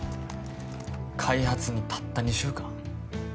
開発にたった２週間？